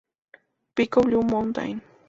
Pico Blue Mountain